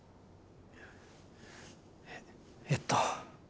ええっと。